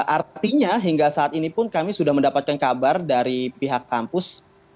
artinya hingga saat ini pun kami sudah mendapatkan kabar dari pihak kampus